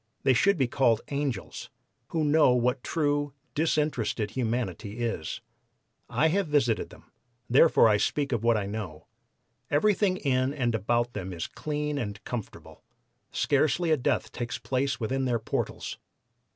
They should be called 'angels,' who know what true, disinterested humanity is. I have visited them, therefore I speak of what I know. Everything in and about them is clean and comfortable; scarcely a death takes place within their portals.